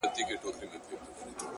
هسي بیا نه راځو’ اوس لا خُمار باسه’